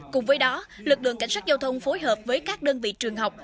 cùng với đó lực lượng cảnh sát giao thông phối hợp với các đơn vị trường học